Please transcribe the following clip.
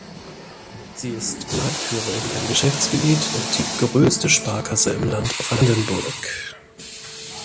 Sie ist Marktführer in ihrem Geschäftsgebiet und die größte Sparkasse im Land Brandenburg.